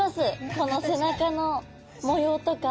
この背中の模様とか。